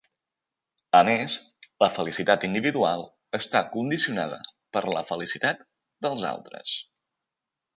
A més, la felicitat individual està condicionada per la felicitat dels altres.